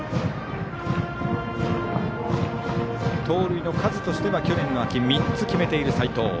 盗塁の数としては去年の秋に３つ決めている齋藤。